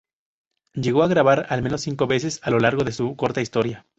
Llegó a grabar al menos cinco veces a lo largo de su corta historia.